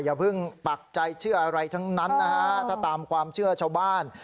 อย่าเพิ่งปักใจเชื่ออะไรทั้งนั้นนะฮะถ้าตามความเชื่อชาวบ้าน